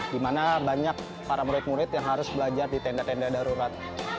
di mana banyak para murid murid yang harus belajar di tenda tenda darurat